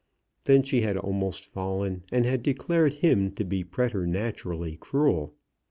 Then she had almost fallen, and had declared him to be preternaturally cruel.